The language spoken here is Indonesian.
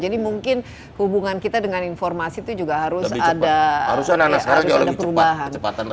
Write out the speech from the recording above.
jadi mungkin hubungan kita dengan informasi itu juga harus ada perubahan